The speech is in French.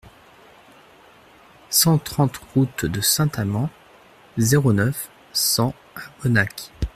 cent trente route de Saint-Amans, zéro neuf, cent à Bonnac